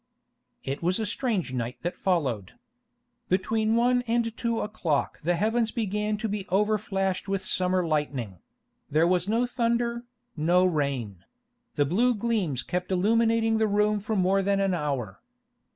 It was a strange night that followed. Between one and two o'clock the heavens began to be over flashed with summer lightning; there was no thunder, no rain. The blue gleams kept illuminating the room for more than an hour.